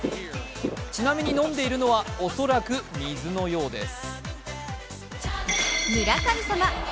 ちなみに、飲んでいるのは恐らく水のようです。